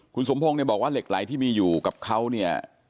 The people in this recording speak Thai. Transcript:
คุณสมพงศ์เนี่ยบอกว่าเหล็กไหลที่มีอยู่กับเขาเนี่ย